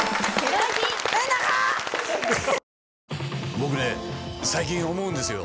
僕ね最近思うんですよ。